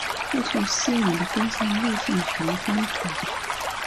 过去是往的登山路线玄关口。